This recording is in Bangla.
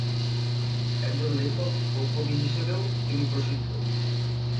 একজন লেখক ও কবি হিসেবেও তিনি প্রসিদ্ধ।